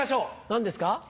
何ですか？